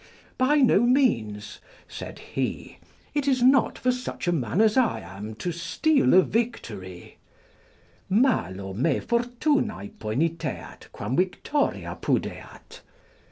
"By no means," said be; "it is not for such a man as I am to steal a victory, 'Malo me fortunae poeniteat, quam victoria pudeat.